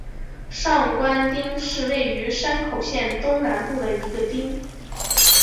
上关町是位于山口县东南部的一町。